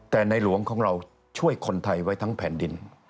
แต่ในหลวงของเราช่วยคนไทยไว้ทั้งแผ่นดิน